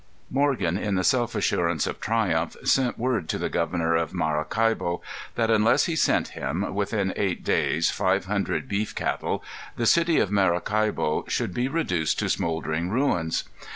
Morgan, in the self assurance of triumph, sent word to the governor of Maracaibo, that unless he sent him, within eight days, five hundred beef cattle, the city of Maracaibo should be reduced to smouldering ruins.